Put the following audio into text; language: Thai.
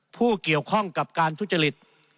ผู้เกี่ยวข้องกับการทุจริต